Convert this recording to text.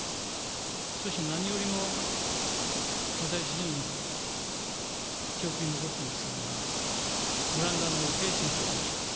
そして何よりも、私自身記憶に残ってますのは、オランダのヘーシンク選手です。